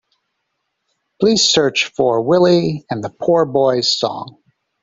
Please search for Willy and the Poor Boys song.